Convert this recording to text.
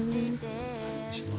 お願いします。